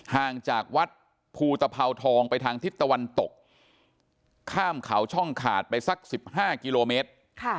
ห่างจากวัดภูตภาวทองไปทางทิศตะวันตกข้ามเขาช่องขาดไปสัก๑๕กิโลเมตร